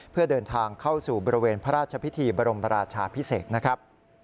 เพื่อเดินทางเข้าสู่บริเวณพระราชพิธีบรมราชาพิเศษนะครับ